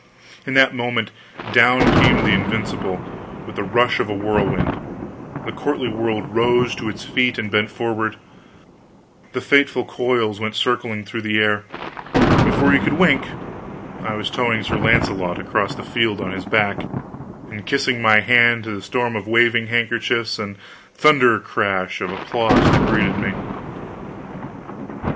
In that moment, down came the Invincible, with the rush of a whirlwind the courtly world rose to its feet and bent forward the fateful coils went circling through the air, and before you could wink I was towing Sir Launcelot across the field on his back, and kissing my hand to the storm of waving kerchiefs and the thunder crash of applause that greeted me!